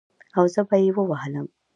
او زه به يې ووهلم.